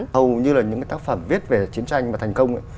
hầu như là những tác phẩm viết về chiến tranh mà thành công